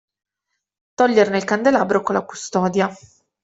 Toglierne il candelabro con la custodia.